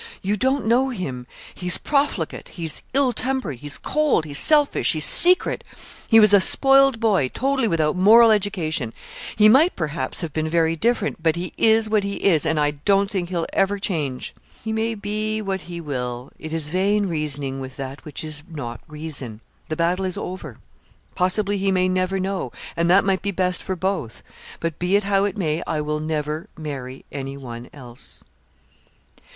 You don't know him: he's profligate; he's ill tempered; he's cold; he's selfish; he's secret. He was a spoiled boy, totally without moral education; he might, perhaps, have been very different, but he is what he is, and I don't think he'll ever change.' 'He may be what he will. It is vain reasoning with that which is not reason; the battle is over; possibly he may never know, and that might be best for both but be it how it may, I will never marry anyone else.'